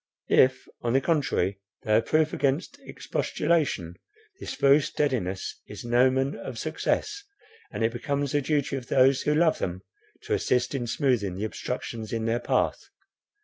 If, on the contrary, they are proof against expostulation, this very steadiness is an omen of success; and it becomes the duty of those who love them, to assist in smoothing the obstructions in their path.